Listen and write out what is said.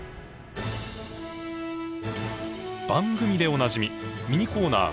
番組でおなじみミニコーナー